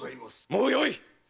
もうよい！